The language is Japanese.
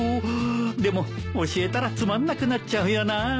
でも教えたらつまんなくなっちゃうよな。